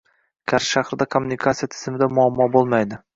Qarshi shahrida kommunikatsiya tizimida muammo bo‘lmaydi